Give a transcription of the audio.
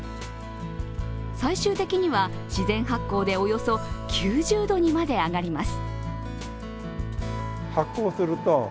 最終的には自然発酵でおよそ９０度にまで上がります。